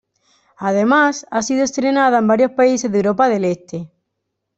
Además ha sido estrenada en varios países de Europa del este.